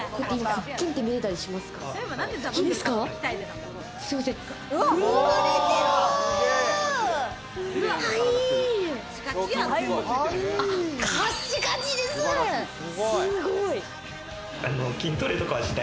腹筋って見れたりしますか？